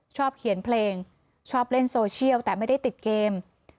ชอบเขียนเพลงชอบเล่นโซเชียลแต่ไม่ได้ติดเกม